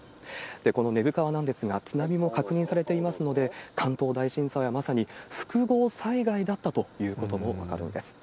この根府川なんですが、津波も確認されていますので、関東大震災は、まさに複合災害だったということも分かるんです。